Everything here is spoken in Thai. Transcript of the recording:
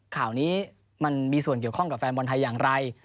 ข่าวนี้มันมีส่วนเกี่ยวข้องกับแฟนบอลไทยอย่างไร